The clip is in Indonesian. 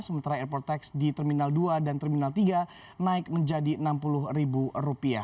sementara airport tax di terminal dua dan terminal tiga naik menjadi rp enam puluh